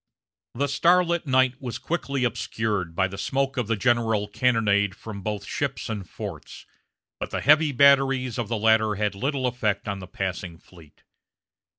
The starlit night was quickly obscured by the smoke of the general cannonade from both ships and forts; but the heavy batteries of the latter had little effect on the passing fleet.